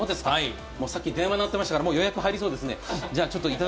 電話鳴ってましたから予約入りそうですね。